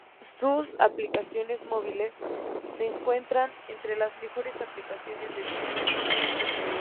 Sus aplicaciones móviles se encuentran entre las mejores aplicaciones de viajes.